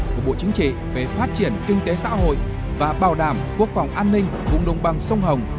của bộ chính trị về phát triển kinh tế xã hội và bảo đảm quốc phòng an ninh vùng đồng bằng sông hồng